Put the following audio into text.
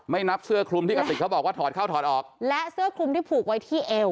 นับเสื้อคลุมที่กระติกเขาบอกว่าถอดเข้าถอดออกและเสื้อคลุมที่ผูกไว้ที่เอว